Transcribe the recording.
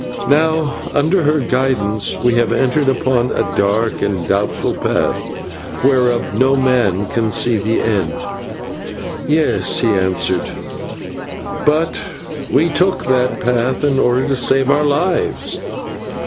Now, under her guidance, we have entered upon a dark and doubtful path, whereof no man can see the end." "Yes," he answered, "but we took that path in order to save our lives."